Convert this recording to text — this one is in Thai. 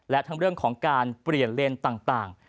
และทั้งเรื่องของการเปลี่ยนเลนส์ต่าง